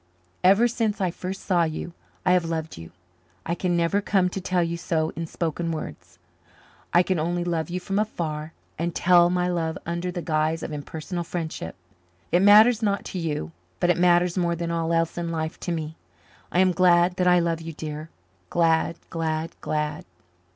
Ever since I first saw you I have loved you. I can never come to tell you so in spoken words; I can only love you from afar and tell my love under the guise of impersonal friendship. It matters not to you, but it matters more than all else in life to me. I am glad that I love you, dear glad, glad, glad.